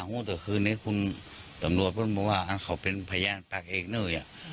ฮู้แต่คืนนี้คุณสำรวจบอกว่าเขาเป็นพยานปากเอกเนื่อยอ่ะ